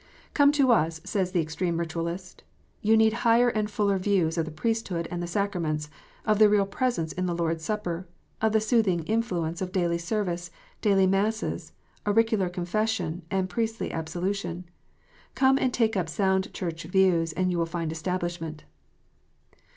"Come to us," says the extreme Ritualist. "You need higher and fuller views of the priesthood and the sacraments, of the Real Presence in the Lord s Supper, of the soothing influence of daily service, daily masses, auricular confession, and priestly absolution. Come and take up sound Church views, and you will find establishment."